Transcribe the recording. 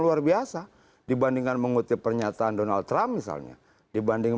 gitu kan jadi kita kita mesti baca